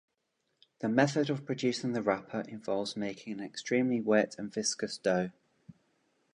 The method of producing the wrapper involves making an extremely wet and viscous dough.